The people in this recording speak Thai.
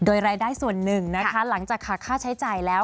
โดยรายได้ส่วนหนึ่งนะคะหลังจากขาดค่าใช้จ่ายแล้ว